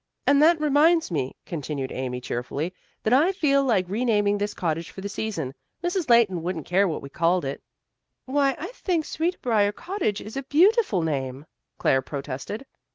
"And that reminds me," continued Amy cheerfully, "that I feel like re naming this cottage for the season. Mrs. Leighton wouldn't care what we called it." "Why, I think Sweet Briar Cottage is a beautiful name," Claire protested.